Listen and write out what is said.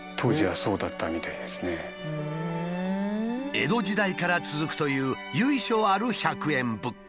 江戸時代から続くという由緒ある１００円物件。